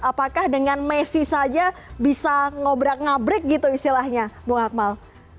apakah dengan messi saja bisa ngobrak ngabrik gitu istilahnya bung akmal